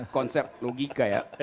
konsep logika ya